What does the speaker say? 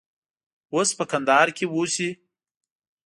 اوس په کندهار کې اوسي.